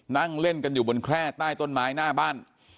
นั่งเล่นกันอยู่บนแคร่ใต้ต้นไม้หน้าบ้าน